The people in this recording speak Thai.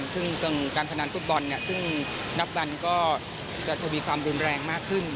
ซึ่งการพนันฟุตบอลซึ่งนับวันก็จะมีความรุนแรงมากขึ้น